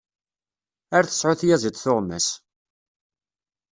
Ar tesεu tyaziḍt tuɣmas!